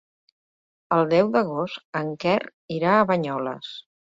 El deu d'agost en Quer irà a Banyoles.